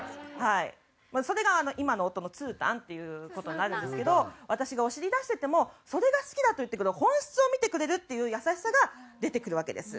それが今の夫のつーたんっていう事になるんですけど私がお尻出してても「それが好きだ」と言ってくれる本質を見てくれるっていう優しさが出てくるわけです。